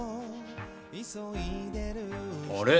あれ？